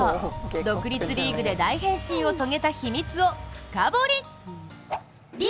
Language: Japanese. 独立リーグで大変身を遂げた秘密を深掘り。